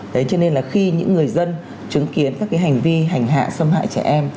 thế cho nên là khi những người dân chứng kiến các cái hành vi hành hạ xâm hại trẻ em